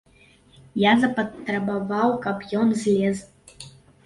Я запатрабаваў, каб ён злез.